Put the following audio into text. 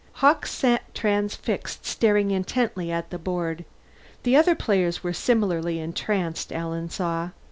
Hawkes sat transfixed, staring intently at the board. The other players were similarly entranced, Alan saw.